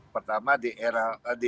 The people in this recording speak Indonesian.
pertama di era